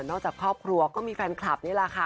จากครอบครัวก็มีแฟนคลับนี่แหละค่ะ